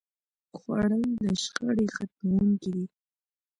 خوړل د شخړې ختموونکی دی